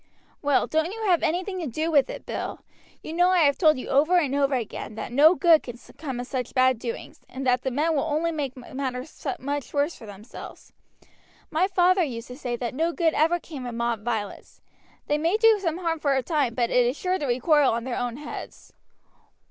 "Well, don't you have anything to do with it, Bill. You know I have told you over and over again that no good can come of such bad doings, and that the men will only make matters much worse for themselves. My father used to say that no good ever came of mob violence. They may do some harm for a time, but it is sure to recoil on their own heads."